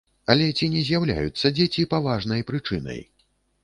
Але ці не з'яўляюцца дзеці паважнай прычынай?